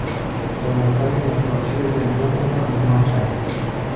خوراکهای ناکافی زندان او را بیمار کرد.